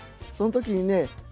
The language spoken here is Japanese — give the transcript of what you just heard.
その時にね